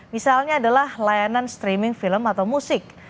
misalnya adalah layanan streaming film atau musik